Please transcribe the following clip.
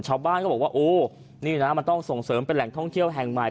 ชาวบ้านก็บอกว่าโอ้นี่นะมันต้องส่งเสริมเป็นแหล่งท่องเที่ยวแห่งใหม่